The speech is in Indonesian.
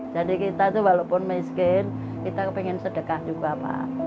jadi kita itu walaupun miskin kita pengen sedekah juga